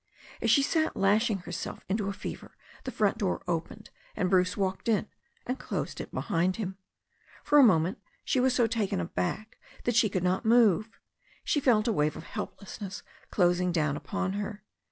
As she sat lashing herself into a fever, the front door opened, and Bruce walked in and closed it behind him. For a moment she was so taken aback that she could not move. She felt a wave of helplessness closing down upon her.